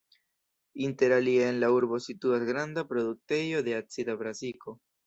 Inter alie en la urbo situas granda produktejo de acida brasiko.